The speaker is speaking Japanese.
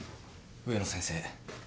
植野先生